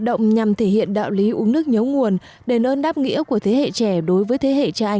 động nhằm thể hiện đạo lý uống nước nhấu nguồn đền ơn đáp nghĩa của thế hệ trẻ đối với thế hệ